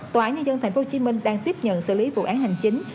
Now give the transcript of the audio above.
tòa án nhân dân tp hcm đang tiếp nhận xử lý vụ án hành chính